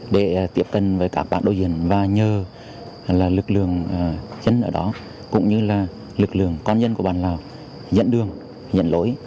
để tiếp cận với các bạn đối diện và nhờ lực lượng chân ở đó cũng như là lực lượng con nhân của bản lào dẫn đường dẫn lối